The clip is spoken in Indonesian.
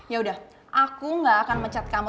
yaudah aku gak akan mecat kamu